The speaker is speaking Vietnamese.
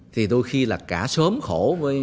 thì đôi khi là cả sớm khổ